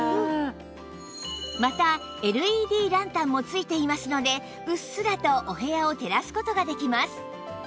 また ＬＥＤ ランタンも付いていますのでうっすらとお部屋を照らす事ができます